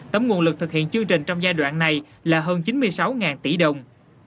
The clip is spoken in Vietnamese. tấm nguồn lực thực hiện chương trình trong giai đoạn này là hơn chín mươi sáu tỷ đồng